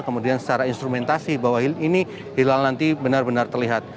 kemudian secara instrumentasi bahwa ini hilal nanti benar benar terlihat